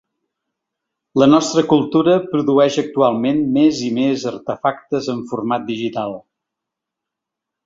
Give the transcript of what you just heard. La nostra cultura produeix actualment més i més artefactes en format digital.